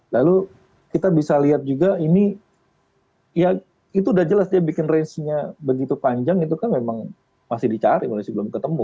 lalu kita bisa lihat juga ini ya itu udah jelas dia bikin range nya begitu panjang itu kan memang masih dicari masih belum ketemu